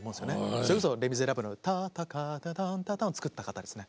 それこそ「レ・ミゼラブル」のタンタタンタターンを作った方ですね。